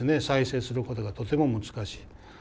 再生することがとても難しい。